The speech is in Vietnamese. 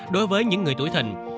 đối với những người tuổi thình